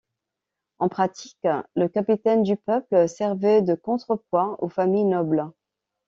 En pratique, le capitaine du peuple servait de contrepoids aux familles nobles.